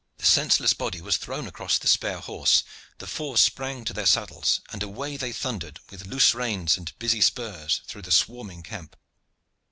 The senseless body was thrown across the spare horse, the four sprang to their saddles, and away they thundered with loose reins and busy spurs through the swarming camp.